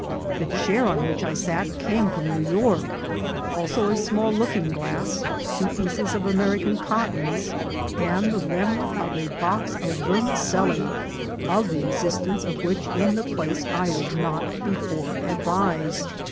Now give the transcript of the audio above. The chair on which I sat came from New York ; also a small looking glass, two pieces of American " cottons," and the remnant of a box of vermicelli, of the existence of which in the place I was not before advised.